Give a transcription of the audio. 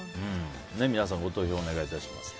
皆さん、ご投票お願いします。